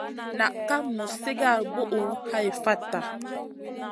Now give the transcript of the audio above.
Naʼ ka muz sigara buʼu hai fata.